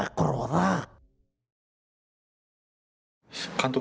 監督。